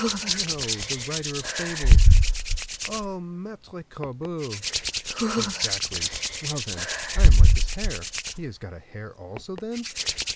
"No, the writer of fables." "Oh! Maitre Corbeau!" "Exactly; well, then, I am like his hare." "He has got a hare also, then?"